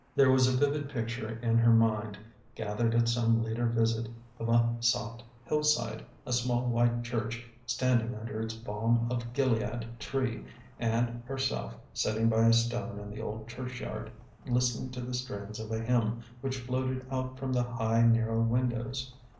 There was a vivid picture in her mind, gathered at some later visit, of a soft hillside, a small white church standing under its balm of gilead tree, and herself sitting by a stone in the old churchyard, listening to the strains of a hymn which floated out from the high, narrow windows.